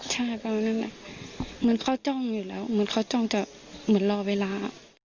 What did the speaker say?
ใช่ประมาณนั้นแหละเหมือนเขาจ้องอยู่แล้วเหมือนเขาจ้องจะเหมือนรอเวลา